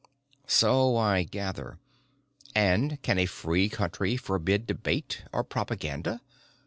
"So I gather. And can a free country forbid debate or propaganda?